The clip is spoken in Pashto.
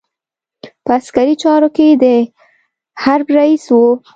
په عسکري چارو کې د حرب رئیس وو.